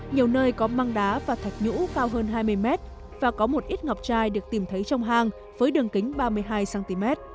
nhiều nơi có măng đá và thạch nhũ cao hơn hai mươi mét và có một ít ngọc chai được tìm thấy trong hang với đường kính ba mươi hai cm